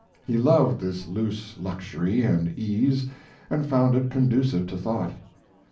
He loved this loose luxury and ease, and found it conducive to thought.